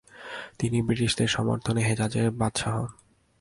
তিনি ব্রিটিশদের সমর্থনে হেজাজের বাদশাহ হন।